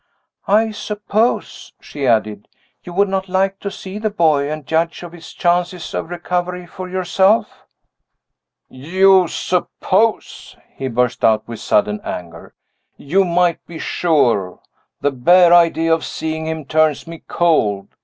"I suppose," she added, "you would not like to see the boy, and judge of his chances of recovery for yourself?" "You suppose?" he burst out, with sudden anger. "You might be sure. The bare idea of seeing him turns me cold.